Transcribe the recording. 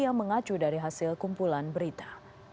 yang mengacu dari hasil kumpulan berita